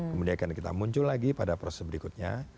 kemudian akan kita muncul lagi pada proses berikutnya